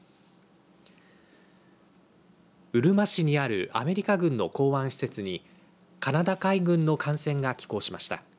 うるま市にあるアメリカ軍の港湾施設にカナダ海軍の艦船が寄港しました。